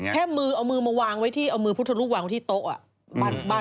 แค่เอามือพุทธรูปวางไว้ที่โต๊ะ